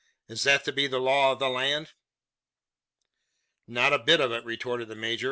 Is that to be the law of the land?" "Not a bit of it," retorted the major.